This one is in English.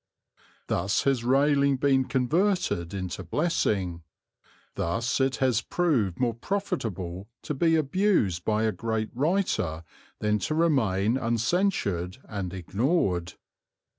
Thus has railing been converted into blessing; thus is it proved more profitable to be abused by a great writer than to remain uncensured and ignored.